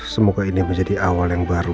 semoga ini menjadi awal yang baru